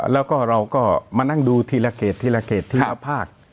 แล้วก็เราก็มานั่งดูทีละเขตทีละเขตทีละภาค